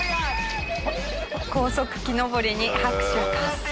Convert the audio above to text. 高速木登りに拍手喝采！